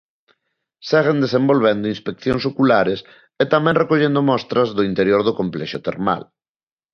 Seguen desenvolvendo inspeccións oculares e tamén recollendo mostras do interior do complexo termal.